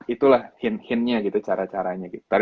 itulah hint hintnya gitu cara caranya gitu